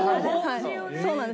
そうなんです。